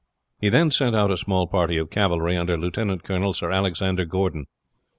He then sent out a small party of cavalry under Lieutenant Colonel Sir Alexander Gordon.